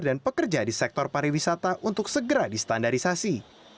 dan pekerja di sektor pariwisata untuk segera distandarisasi